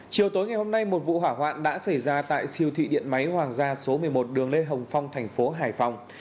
chiều tối ngày hôm nay một vụ hỏa hoạn đã xảy ra tại siêu thị điện máy hoàng gia số một mươi một đường lê hồng phong thành phố hải phòng